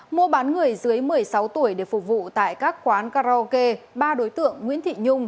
mua bán người dưới một mươi sáu tuổi để phục vụ tại các quán karaoke ba đối tượng nguyễn thị nhung